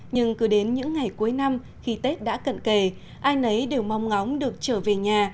nhưng cứ đến những ngày cuối năm khi tết đã cận kề ai nấy đều mong ngóng được trở về nhà